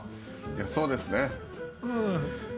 そうですね。